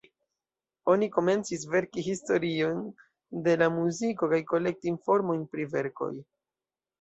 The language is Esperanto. Oni komencis verki historion de la muziko kaj kolekti informojn pri verkoj.